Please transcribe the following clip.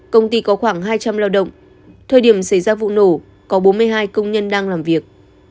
công ty có khoảng hai trăm linh lao động thời điểm xảy ra vụ nổ có bốn mươi hai công nhân đang làm việc